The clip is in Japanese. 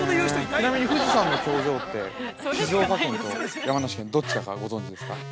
ちなみに、富士山の頂上って静岡県と山梨県、どっちだかご存じですか。